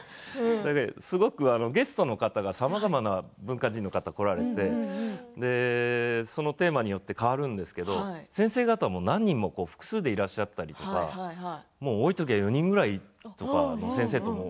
ゲストの方が、さまざまな文化人の方が来られてそのテーマによって変わるんですけど先生方も何人も複数でいらっしゃったりとか多いときは４人くらいとか先生も。